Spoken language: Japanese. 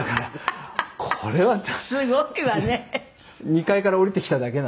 「２階から降りてきただけなんですね」